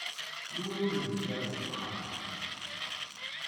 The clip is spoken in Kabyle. Yiwen ur yezdiɣ deg uxxam-a.